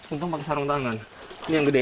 untung pakai sarung tangan ini yang gede